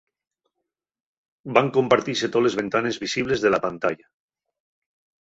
Van compartise toles ventanes visibles de la pantalla.